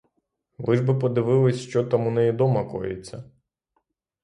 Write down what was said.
Ви ж би подивились, що там у неї дома коїться.